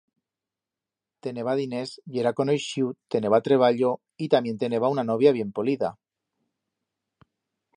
Teneba diners, yera conoixiu, teneba treballo, y tamién teneba una novia bien polida.